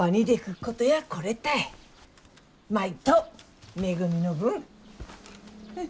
舞とめぐみの分。